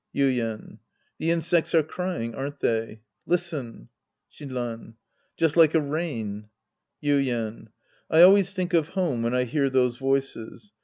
Yuien. The insects are crying, aren't they? {Listens!) Shinran. Just like a rain. Yuien. I always think of home when I hear those voices.